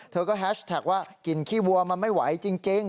เธอก็แฮชแท็กว่ากินขี้วัวมันไม่ไหวจริง